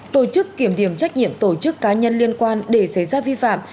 tổ chức kiểm điểm trách nhiệm tổ chức cá nhân liên quan để xảy ra vi phạm